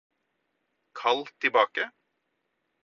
kall tilbake